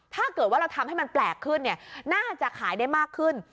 ถ้าเกิดว่าเราทำให้มันแปลกขึ้นน่าจะขายได้มากขึ้น